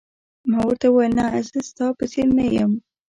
ما ورته وویل: نه، زه ستا په څېر نه یم.